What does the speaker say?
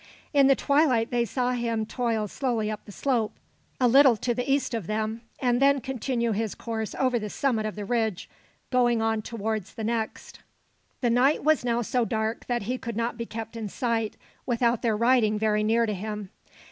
In the twilight, they saw him toil slowly up the slope, a little to the east of them, and then continue his course over the summit of the ridge, going on toward the next. The night was now so dark that he could not be kept in sight without their riding very near to him.